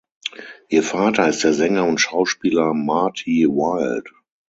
Ihr Vater ist der Sänger und Schauspieler Marty Wilde.